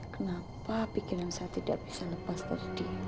kenapa pikiran saya tidak bisa lepas dari dia